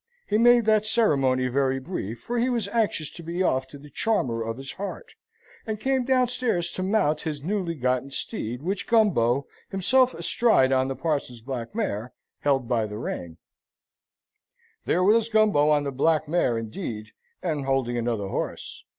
He made that ceremony very brief, for he was anxious to be off to the charmer of his heart; and came downstairs to mount his newly gotten steed, which Gumbo, himself astride on the parson's black mare, held by the rein. There was Gumbo on the black mare, indeed, and holding another horse.